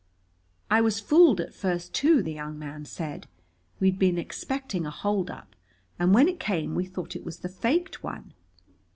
"I was fooled at first too," the young man said. "We'd been expecting a holdup and when it came we thought it was the faked one.